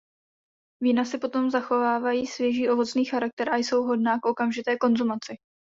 Vína si potom zachovávají svěží ovocný charakter a jsou vhodná k okamžité konzumaci.